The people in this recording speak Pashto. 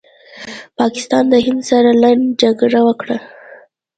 پاکستان د هند سره لنډه جګړه وکړله